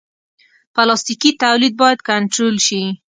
پلاستيکي تولید باید کنټرول شي.